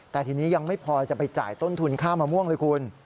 แต่ทีนี้ยังไม่พอจะไปจ่ายต้นทุนค่ามะม่วงเลยคุณ